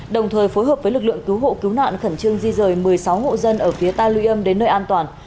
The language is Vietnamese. đồng thời phối hợp với lực lượng cứu hộ cứu nạn khẩn trương di rời một mươi sáu ngộ dân ở phía tàu luy âm đến nơi an toàn